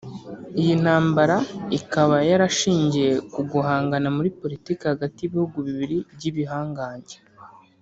Iyi ntambara ikaba yarishingiye ku guhangana muri politiki hagati y’ibihugu bibiri by’ibihangange